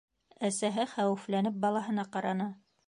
Әсәһе хәүефләнеп балаһына ҡараны.